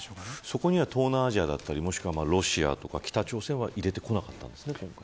そこには東南アジアだったりロシアとか北朝鮮を入れてこなかったんですね。